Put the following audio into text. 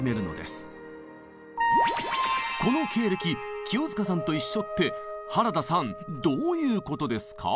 この経歴清塚さんと一緒って原田さんどういうことですか？